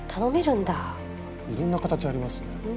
いろんな形ありますね。